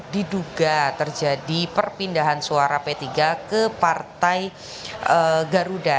diduga terjadi perpindahan suara p tiga ke partai garuda